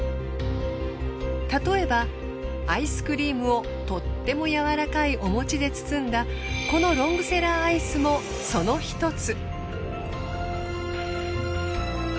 例えばアイスクリームをとてもやわらかいおもちで包んだこのロングセラーアイスもその一つ。